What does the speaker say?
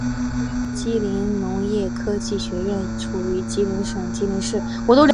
吉林农业科技学院地处吉林省吉林市。